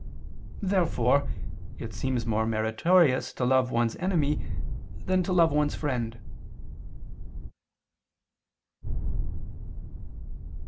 Therefore it seems more meritorious to love one's enemy than to love one's friend.